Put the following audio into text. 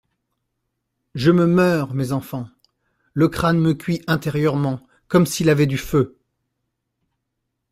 Je me meurs, mes enfants ! Le crâne me cuit intérieurement comme s'il avait du feu.